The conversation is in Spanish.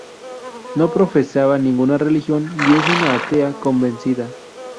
No profesa ninguna religión y es una atea convencida.